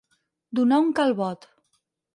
Donar un calbot.